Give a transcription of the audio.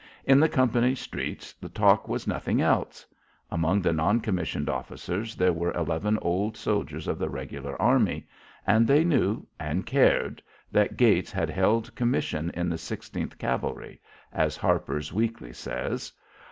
In the company streets the talk was nothing else. Among the non commissioned officers there were eleven old soldiers of the regular army, and they knew and cared that Gates had held commission in the "Sixteenth Cavalry" as Harper's Weekly says.